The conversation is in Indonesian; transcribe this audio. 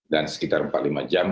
sekitar empat lima jam